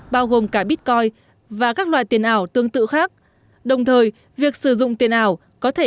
bao gồm cả bitcoin và các loại tiền ảo tương tự khác đồng thời việc sử dụng tiền ảo có thể